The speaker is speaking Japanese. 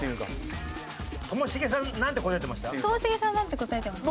ともしげさんなんて答えてました？